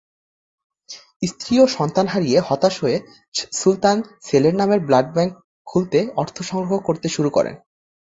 স্ত্রী ও সন্তান হারিয়ে হতাশ হয়ে সুলতান ছেলের নামের ব্লাড ব্যাংক খুলতে অর্থ সংগ্রহ করতে শুরু করেন।